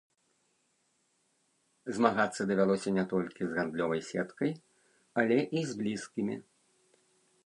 Змагацца давялося не толькі з гандлёвай сеткай, але і з блізкімі.